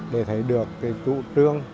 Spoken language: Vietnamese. để thấy được trụ trương